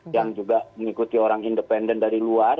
yang juga mengikuti orang independen dari luar